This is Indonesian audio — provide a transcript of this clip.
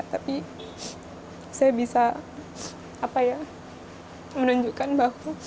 tapi saya bisa menunjukkan bahwa